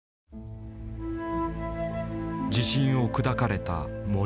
自信を砕かれた森。